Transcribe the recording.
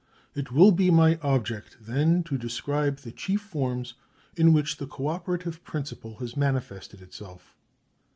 It will be my object, then, to describe the chief forms in which the co operative principle has manifested itself.